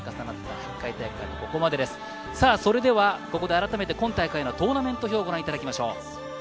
それではここで改めて今大会のトーナメント表をご覧いただきましょう。